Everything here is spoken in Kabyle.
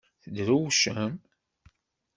Tedrewcem?